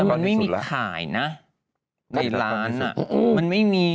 มันไม่มีขายนะในร้านมันไม่มี